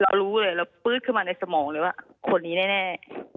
เรารู้เลยเราปื๊ดขึ้นมาในสมองเลยว่าคนนี้แน่